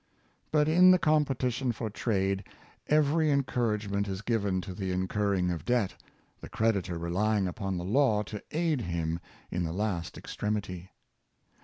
But, in the competition for trade, every encouragement 490 Sir Walter Scoit is given to the incurring of debt, the creditor relying upon the law to aid him in the last extremity.